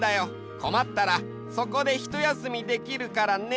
こまったらそこでひとやすみできるからね。